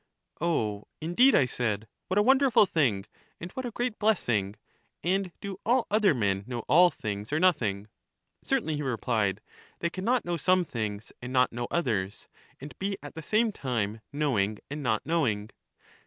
O, indeed, I said, what a wonderful thing, and what a great blessing! And do all other men know all things or nothing? Certainly, he replied; they can not know some things, and not know others, and be at the same time knowing and not knowing.